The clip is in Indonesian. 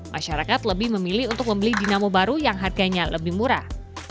masyarakat lebih memilih untuk membeli dinamo baru yang harganya lebih murah